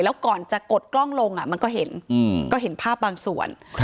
แล้วก่อนจะกดกล้องลงมันก็เห็นก็เห็นภาพบางส่วน